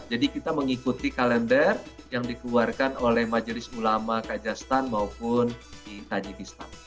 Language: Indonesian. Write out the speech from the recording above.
jadi kita mengikuti kalender yang dikeluarkan oleh majelis ulama kajastan maupun di tajikistan